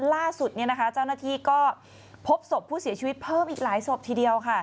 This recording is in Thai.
ล่าสุดเจ้าหน้าที่ก็พบศพผู้เสียชีวิตเพิ่มอีกหลายศพทีเดียวค่ะ